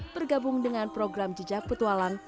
bergabung dengan program jejak petualang